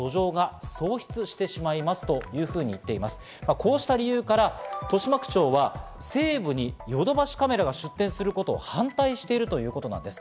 こうした理由から、豊島区長は西武にヨドバシカメラが出店することを反対しているということなんです。